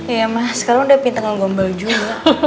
iya mas sekarang udah pinter ngegombal juga